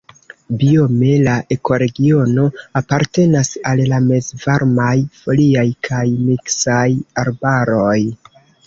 Biome la ekoregiono apartenas al la mezvarmaj foliaj kaj miksaj arbaroj.